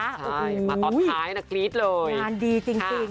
อื้อโหมาตอนท้ายนะคนิตเลยงานดีจริง